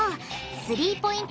スリーポイント